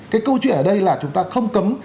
cái câu chuyện ở đây là chúng ta không cấm